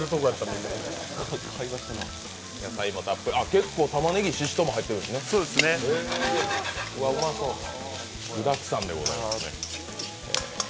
結構、たまねぎ、ししとうも入ってるしね、具だくさんでございますね。